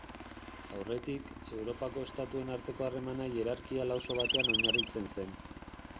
Aurretik, Europako estatuen arteko harremana hierarkia lauso batean oinarritzen zen.